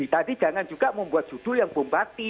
tadi jangan juga membuat judul yang bombati